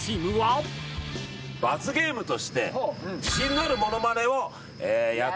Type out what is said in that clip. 罰ゲームとして。